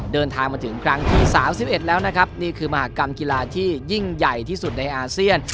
เดินทางมาถึงครั้งที่๓๑แล้วนะครับนี่คือมหากรรมกีฬาที่ยิ่งใหญ่ที่สุดในอาเซียน